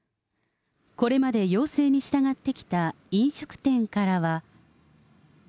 これまで要請に従ってきた飲食店からは。